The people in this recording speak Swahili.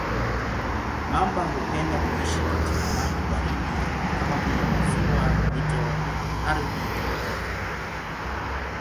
Mamba hupenda kuishi katika maji baridi kama vile maziwa, mito, ardhi tepe-tepe.